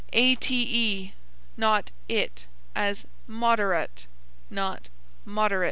ate, not it, as moderate, not moderit.